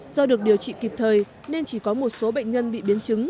do được điều trị kịp thời nên chỉ có một số bệnh nhân bị biến chứng